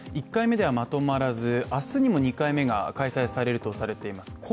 １回目ではまとまらず、明日にも２回目が開催されるとされています。